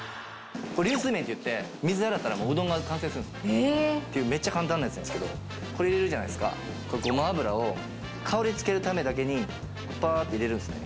これ流水麺っていってっていうめっちゃ簡単なやつなんですけどこれ入れるじゃないですかごま油を香りつけるためだけにパーッて入れるんですね